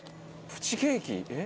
プチケーキ